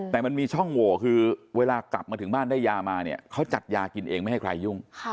แต่มันมีช่องโหวคือเวลากลับมาถึงบ้านได้ยามาเนี่ยเขาจัดยากินเองไม่ให้ใครยุ่ง